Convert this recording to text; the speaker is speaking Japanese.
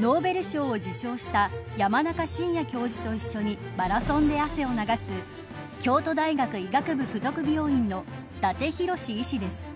ノーベル賞を受賞した山中伸弥教授と一緒にマラソンで汗を流す京都大学医学部附属病院の伊達洋至医師です。